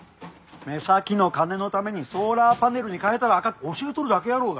目先の金のためにソーラーパネルに変えたらあかんって教えとるだけやろうが。